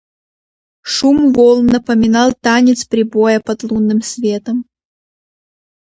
Шум волн напоминал танец прибоя под лунным светом.